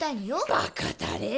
バカたれ！